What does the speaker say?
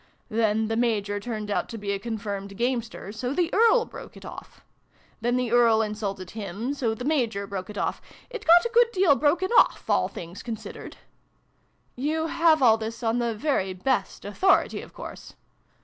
Then the Major turned out to be a confirmed gamester ; so the Earl broke it off. n] LOVE'S CURFEW. 35 Then the Earl insulted him ; so the Major broke it off. It got a good deal broken off, all things considered !"" You have all this on the very best authority, of course